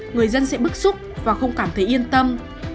người dân sẽ bức xúc và không cảm thấy yên tâm